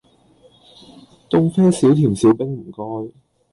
凍啡少甜少冰唔該